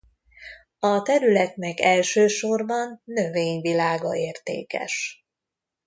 A területnek elsősorban növényvilága értékes.